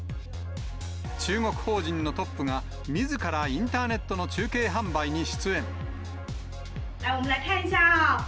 中国法人のトップが、みずからインターネットの中継販売に出演。